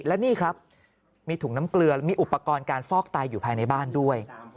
และนี่ครับมีถุงน้ำเกลือมีอุปกรณ์การฟอกไตอยู่ภายในบ้านด้วย